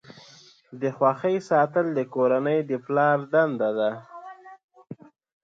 د خوښۍ ساتل د کورنۍ د پلار دنده ده.